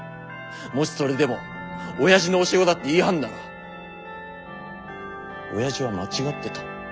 もしそれでも親父の教え子だって言い張んなら親父は間違ってた。